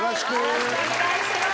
よろしくお願いします！